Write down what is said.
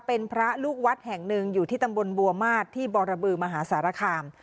เป็นพระลูกวัดแห่งหนึ่งอยู่ที่ตำบลบัวมาสที่บรบือมหาสารคาม